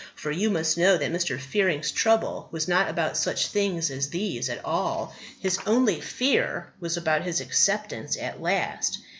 For you must know that Mr. Fearing's trouble was not about such things as these at all; his only fear was about his acceptance at last.